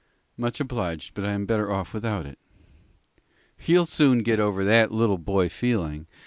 "Much obliged, but I am better off without it." "You'll soon get over that little boy feeling.